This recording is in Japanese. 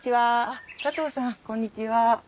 あっ佐藤さんこんにちは。